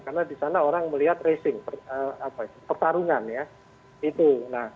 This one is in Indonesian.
karena di sana orang melihat racing pertarungan ya